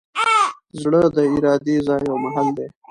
زړه د ارادې ځای او محل دﺉ.